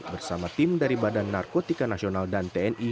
bersama tim dari badan narkotika nasional dan tni